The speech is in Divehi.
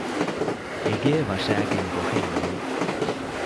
އޭގެ ވަށައިގެން ގޮހެއް ނޫން